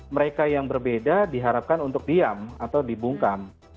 mereka yang berbeda diharapkan untuk diam atau dibungkam